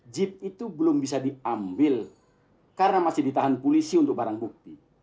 jeep itu belum bisa diambil karena masih ditahan polisi untuk barang bukti